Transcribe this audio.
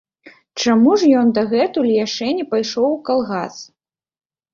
Чаму ж ён дагэтуль яшчэ не пайшоў у калгас?